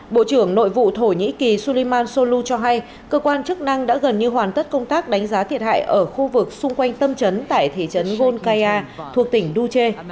bộ trưởng nội vụ thổ nhĩ kỳ sulliman solu cho hay cơ quan chức năng đã gần như hoàn tất công tác đánh giá thiệt hại ở khu vực xung quanh tâm trấn tại thị trấn golkaya thuộc tỉnh duche